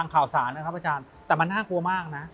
ข่าวสารนะครับอาจารย์แต่มันน่ากลัวมากนะ